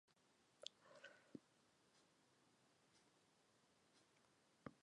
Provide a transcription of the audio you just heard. Mae gan yr arwyneb saith bae, ac mae gan y rhai canolog fwa.